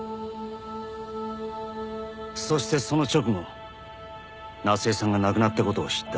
そしてその直後夏恵さんが亡くなった事を知った。